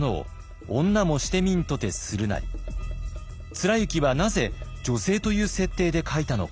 貫之はなぜ女性という設定で書いたのか。